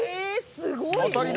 すごいな！